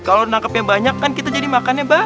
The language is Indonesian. kalau nangkepnya banyak kan kita jadi makannya mbak